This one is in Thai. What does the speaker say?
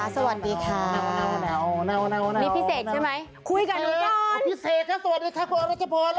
สวัสดีครับ